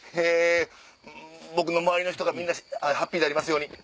僕の周りの人がみんなハッピーでありますように。